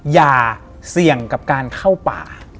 อย่าเสี่ยงกับการเข้าป่า